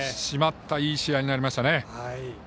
締まったいい試合になりましたね。